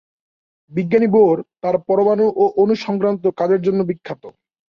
তিনি পরমাণু ও অণু সংক্রান্ত তার কাজের জন্য বিখ্যাত।